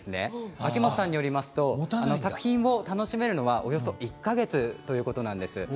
秋元さんによりますと作品を楽しめるのはおよそ１か月ということなんです。